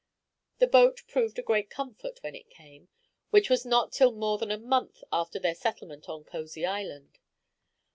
The boat proved a great comfort when it came, which was not till more than a month after their settlement on Causey Island.